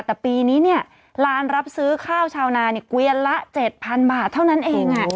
แต่ปีนี้เนี่ยร้านรับซื้อข้าวชาวนาเกวียนละ๗๐๐บาทเท่านั้นเอง